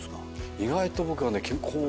意外と僕はね。